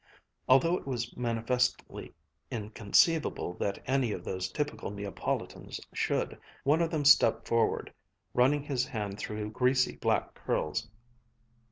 although it was manifestly inconceivable that any of those typical Neapolitans should. One of them stepped forward, running his hand through greasy black curls.